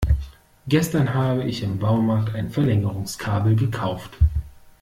Gestern habe ich im Baumarkt ein Verlängerungskabel gekauft.